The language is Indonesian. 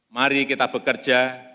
mari kita bekerja